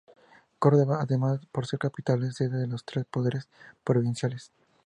Córdoba, además, por ser capital, es sede de los tres poderes provinciales.